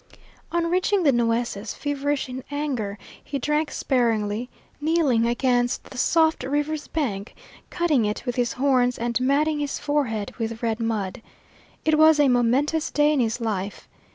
On reaching the Nueces, feverish in anger, he drank sparingly, kneeling against the soft river's bank, cutting it with his horns, and matting his forehead with red mud. It was a momentous day in his life.